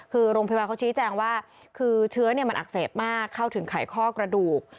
คือโรงพยาบาลเขาชี้แจงว่าคือเชื้อมันอักเสบมากเข้าถึงไขข้อกระดูก